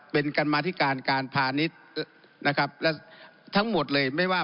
กรรมาธิการการพาณิชย์นะครับและทั้งหมดเลยไม่ว่า